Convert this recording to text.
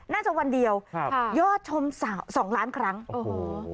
น่าจะวันเดียวยอดชม๒ล้านครั้งโอ้โฮ